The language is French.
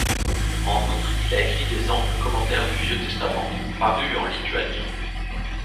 En outre, il a écrit des amples commentaires du Vieux Testament, paru en lituanien.